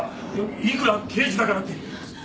いくら刑事だからって。